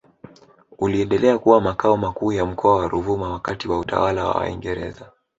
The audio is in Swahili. uliendelea kuwa Makao makuu ya Mkoa wa Ruvuma wakati wa utawala wa Waingereza